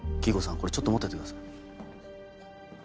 これちょっと持っててください。